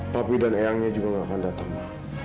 papa dan eyangnya juga gak akan datang ma